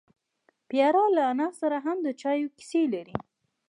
پیاله له انا سره هم د چایو کیسې لري.